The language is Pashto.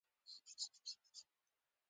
همیانۍ د پیسو د ساتلو وسیله ده